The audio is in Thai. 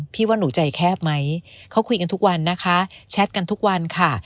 ว่าหนูใจแคบไหมเขาคุยกันทุกวันนะคะแชทกันทุกวันค่ะ